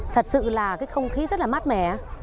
thật sự là không khí rất mát mẻ